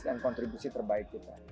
dan kontribusi terbaik kita